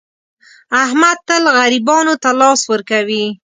احمد تل غریبانو ته لاس ور کوي.